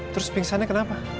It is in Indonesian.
terus pingsannya kenapa